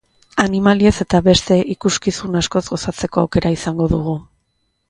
Animaliez eta beste ikuskizun askoz gozatzeko aukera izango dugu.